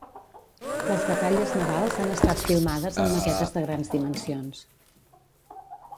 Les batalles navals han estat filmades amb maquetes de grans dimensions.